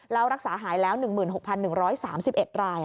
แล้วรักษาหายแล้ว๑๖๑๓๑ราย